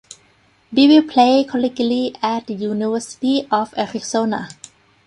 Bibby played collegiately at the University of Arizona.